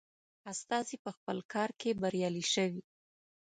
استازی په خپل کار کې بریالی شوی.